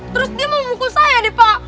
terus dia mau mukul saya nih pak